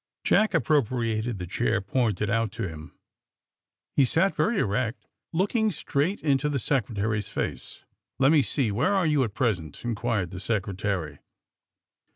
Jack appropriated the chair pointed out to him. He sat very erect, looking straight into the Secretary's face. *^Let me see; where are you at present f^' in quired the Secretary.